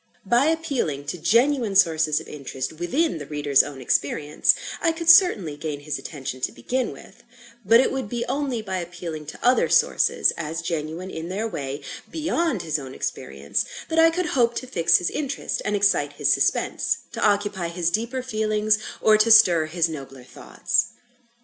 By appealing to genuine sources of interest within the reader's own experience, I could certainly gain his attention to begin with; but it would be only by appealing to other sources (as genuine in their way) beyond his own experience, that I could hope to fix his interest and excite his suspense, to occupy his deeper feelings, or to stir his nobler thoughts.